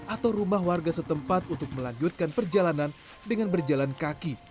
atau rumah warga setempat untuk melanjutkan perjalanan dengan berjalan kaki